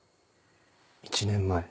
１年前。